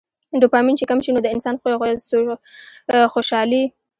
ډوپامين چې کم شي نو د انسان څوشالي